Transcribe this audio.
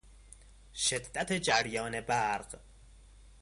شدت جریان برق